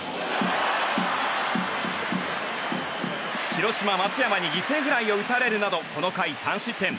広島、松山に犠牲フライを打たれるなどこの回、３失点。